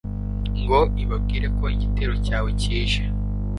ngo ibabwire ko igitero cyawe kije